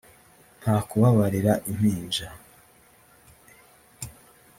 nta kubabarira impinja